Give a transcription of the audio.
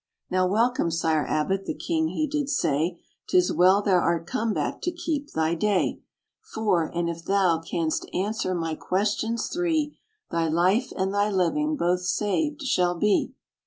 "Now welcome, sire abbot," the king he did say, "'Tis well thou'rt come back to keep thy day: For and if thou canst answer my questions three, Thy life and thy living both saved shall be.